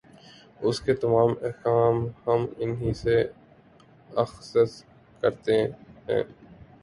اُس کے تمام احکام ہم اِنھی سے اخذ کرتے ہیں